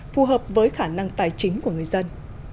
phù hợp với khả năng tài chính của người dân